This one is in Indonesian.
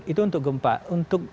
itu untuk gempa untuk